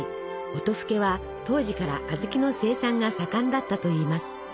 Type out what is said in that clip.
音更は当時から小豆の生産が盛んだったといいます。